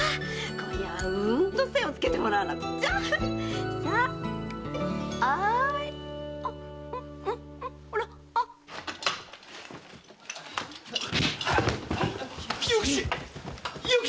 今夜はうーんと精をつけてもらわなくちゃ‼勇吉勇吉！